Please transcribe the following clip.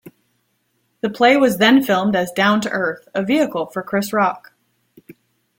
The play was then filmed as "Down to Earth", a vehicle for Chris Rock.